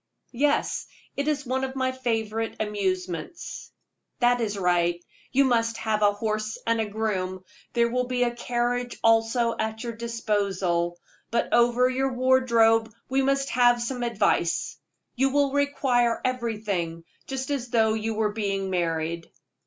"Yes; it is one of my favorite amusements." "That is right; you must have a horse and groom; there will be a carriage also at your disposal. But over your wardrobe we must have some advice. You will require everything, just as though you were being married."